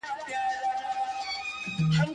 غواړم تیارو کي اوسم ـ دومره چي څوک و نه وینم ـ